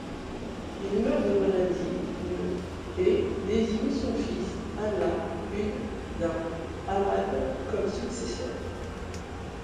Il meurt de maladie le et désigne son fils Ala-ud-din Ahmad comme successeur.